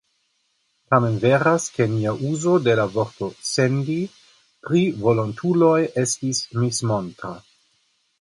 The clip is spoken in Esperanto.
Tamen veras, ke nia uzo de la vorto "sendi" pri volontuloj estis mismontra.